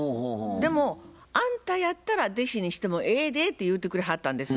でもあんたやったら弟子にしてもええでって言うてくれはったんです。